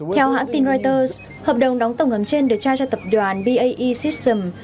theo hãng tin reuters hợp đồng đóng tàu ngầm trên được trao cho tập đoàn bae system